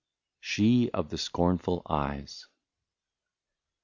IS9 SHE OF THE SCORNFUL EYES.